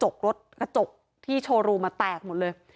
รถกระจกที่โชว์รูมาแตกหมดเลย